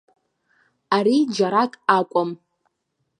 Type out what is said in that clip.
Ари џьарак акәым.